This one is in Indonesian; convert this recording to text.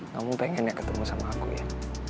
kamu pengen gak ketemu sama aku ya